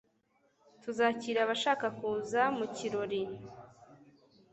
tuzakira abashaka kuza mu kirori